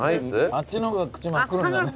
あっちの方が口真っ黒になる。